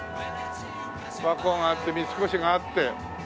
和光があって三越があって。